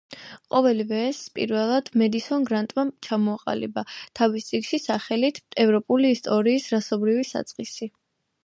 ყოველივე ეს პირველად მედისონ გრანტმა ჩამოაყალიბა თავის წიგნში სახელით „ევროპული ისტორიის რასობრივი საწყისი“.